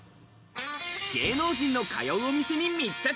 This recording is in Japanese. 芸能人の通う店に密着。